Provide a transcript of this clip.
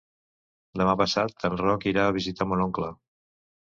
Demà passat en Roc irà a visitar mon oncle.